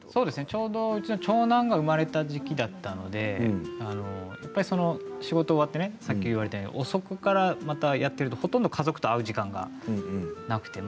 ちょうど、うちの長男が生まれた時期だったので仕事が終わってさっき言われたように遅くからまたやってると、ほとんど家族と会う時間がなくて。